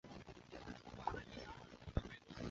她还在呼吸